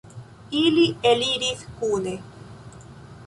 Ili eliris kune.